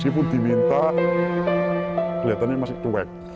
meskipun diminta kelihatannya masih cuek